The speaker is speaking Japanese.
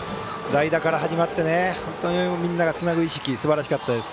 代打から始まってみんながつなぐ意識すばらしかったです。